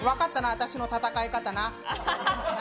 私の戦い方。